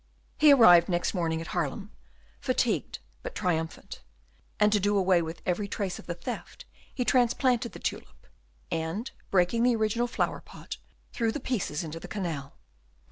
He arrived next morning at Haarlem, fatigued but triumphant; and, to do away with every trace of the theft, he transplanted the tulip, and, breaking the original flower pot, threw the pieces into the canal.